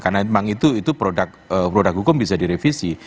karena memang itu produk hukum bisa direvisi